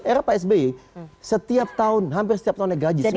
era psby setiap tahun hampir setiap tahun naik gaji sembilan kali